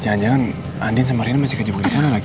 jangan jangan andien sama rina masih kejumpaan di sana lagi